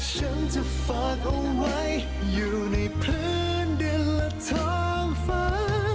ฉันจะฝากเอาไว้อยู่ในพื้นเดือนละท้องฟ้า